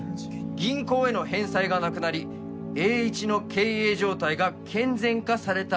「銀行への返済がなくなり」「エーイチの経営状態が健全化された今」